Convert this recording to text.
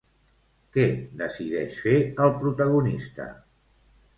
Què decideix fer el protagonista?